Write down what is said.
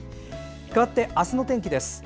かわって、明日の天気です。